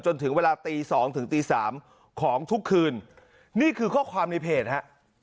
จนถึงเวลาตีสองถึงตีสามของทุกคืนนี่คือข้อความในเพจฮะ